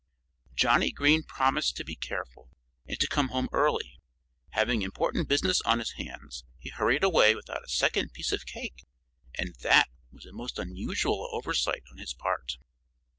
Johnnie Green promised to be careful, and to come home early. Having important business on his hands, he hurried away without a second piece of cake. And that was a most unusual oversight on his part.